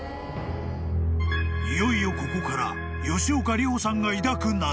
［いよいよここから吉岡里帆さんが抱く謎］